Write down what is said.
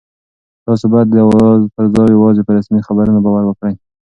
تاسو باید د اوازو پر ځای یوازې په رسمي خبرونو باور وکړئ.